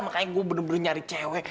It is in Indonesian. makanya gue bener bener nyari cewek